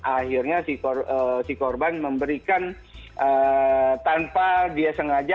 akhirnya si korban memberikan tanpa dia sengaja